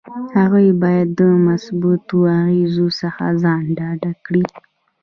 هغوی باید د مثبتو اغیزو څخه ځان ډاډه کړي.